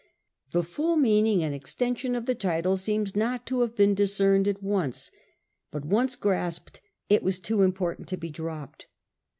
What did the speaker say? The full meaning and extension of the title seems not to have been discerned at once, but once grasped it was too important to be dropped.